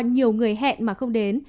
nhiều người hẹn mà không đến